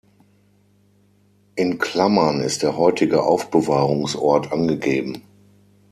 In Klammern ist der heutige Aufbewahrungsort angegeben.